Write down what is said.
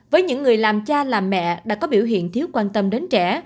với những người làm cha làm mẹ đã có biểu hiện thiếu quan tâm đến trẻ